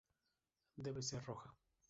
Debe ser roja.